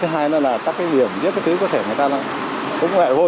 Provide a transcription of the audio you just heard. thứ hai là các cái điểm các cái thứ có thể người ta nó cũng hệ hô